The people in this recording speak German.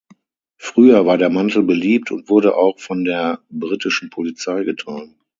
Früher war der Mantel beliebt und wurde auch von der britischen Polizei getragen.